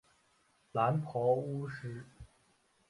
蓝袍巫师。